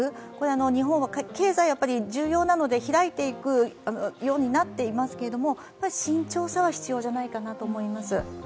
日本は経済は重要なので開いていくようになっていますけれども、慎重さは必要じゃないかなと思います。